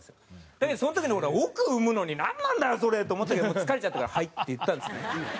だけどその時の俺は「億生むのになんなんだよそれ」と思ったけど疲れちゃったから「はい」って言ったんですね。